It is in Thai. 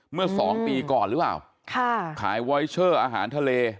เมื่อสองปีก่อนหรือว่าค่ะขายอาหารทะเล